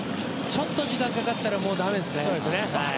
ちょっと時間がかかったらもうだめですね。